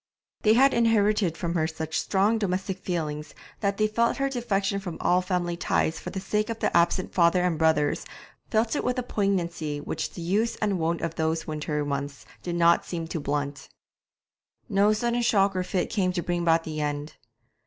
They had inherited from her such strong domestic feelings that they felt her defection from all family ties for the sake of the absent father and brothers, felt it with a poignancy which the use and wont of those winter months did not seem to blunt. No sudden shock or fit came to bring about the end.